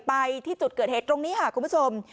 ไปที่จุดเกิดเหตุตรงนี้ค่ะคุณผู้ชม